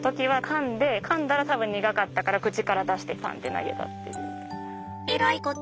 かんだら多分苦かったから口から出してパンッて投げたっていう。